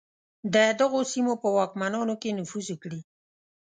د دغو سیمو په واکمنانو کې نفوذ وکړي.